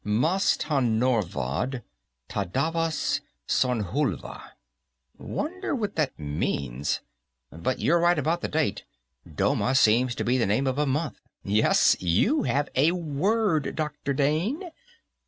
"Mastharnorvod Tadavas Sornhulva. Wonder what it means. But you're right about the date Doma seems to be the name of a month. Yes, you have a word, Dr. Dane."